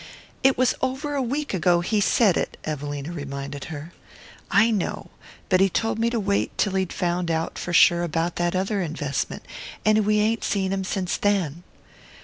"It was over a week ago he said it," Evelina reminded her. "I know; but he told me to wait till he'd found out for sure about that other investment; and we ain't seen him since then."